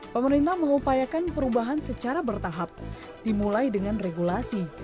pemerintah mengupayakan perubahan secara bertahap dimulai dengan regulasi